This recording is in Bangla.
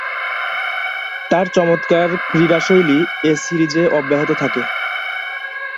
তার চমৎকার ক্রীড়াশৈলী এ সিরিজে অব্যাহত থাকে।